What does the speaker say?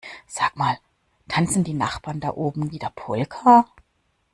Sag mal tanzen die Nachbarn da oben wieder Polka?